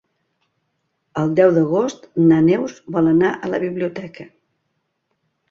El deu d'agost na Neus vol anar a la biblioteca.